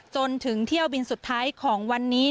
จนถึงเที่ยวบินสุดท้ายของวันนี้